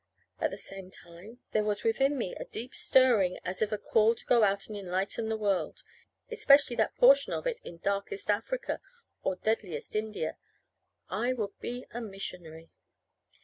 At the same time there was within me a deep stirring as of a call to go out and enlighten the world, especially that portion of it in darkest Africa or deadliest India. I would be a missionary.